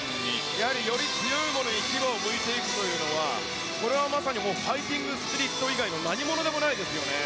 やはりより強いものに牙をむいていくというのは、これはまさにもう、ファイティングスピリット以外のなにものでもないですよね。